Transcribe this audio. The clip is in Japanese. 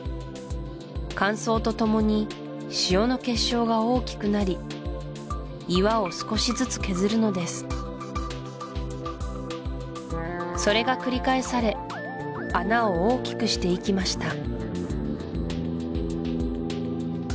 乾燥とともに塩の結晶が大きくなり岩を少しずつ削るのですそれが繰り返され穴を大きくしていきました